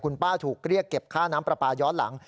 คุณป้าถูกเรียกเก็บค่าน้ำปลาปลาย้อนหลัง